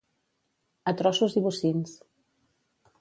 A trossos i bocins.